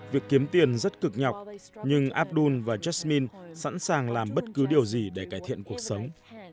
việc kiếm tiền rất cực nhọc nhưng abdul và justin sẵn sàng làm bất cứ điều gì để cải thiện cuộc sống